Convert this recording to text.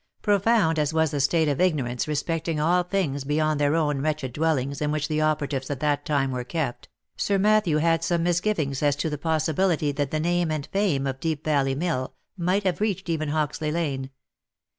Profound as was the state of ignorance respecting all things beyond their own wretched dwellings in which the operatives at that time were kept, Sir Matthew had some misgivings as to the possibility that the name and* fame of Deep Valley mill, might have reached even Hoxley lane.